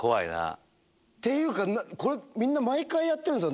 っていうかこれみんな毎回やってんですよね。